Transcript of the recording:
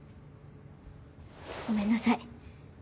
ごめんなさい。